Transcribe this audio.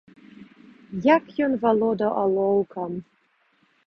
Як ён валодаў алоўкам!